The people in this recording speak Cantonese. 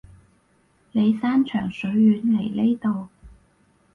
你山長水遠嚟呢度